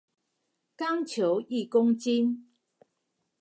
鋼球一公斤